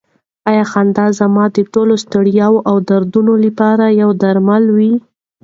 ستا خندا زما د ټولو ستړیاوو او دردونو لپاره یو درمل و.